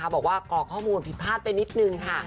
บอกว่าก่อข้อมูลผิดพลาดไปนิดนึงค่ะ